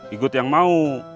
ikut yang mau